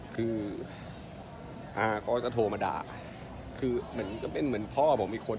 คืออาเขาก็โทรมาด่าคือเหมือนก็เป็นเหมือนพ่อผมอีกคน